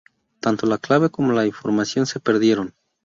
Tanto la clave como la información se perdieron.